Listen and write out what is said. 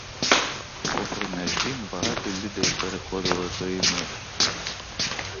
Попри наш дім багато людей переходило тої ночі.